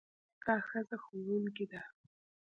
دا ښځه ښوونکې ده.